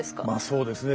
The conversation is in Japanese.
そうですね。